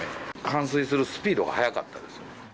冠水するスピードが早かったですね。